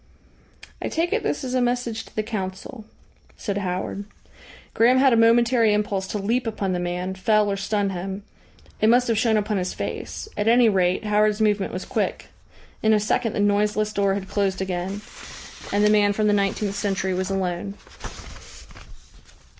"I take it this is a message to the Council," said Howard. Graham had a momentary impulse to leap upon the man, fell or stun him. It must have shown upon his face; at any rate Howard's movement was quick. In a second the noiseless door had closed again, and the man from the nineteenth century was alone.